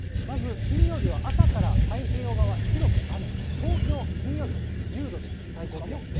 まず金曜日は朝から太平洋側、広く雨、東京、金曜日１０度です、最高気温。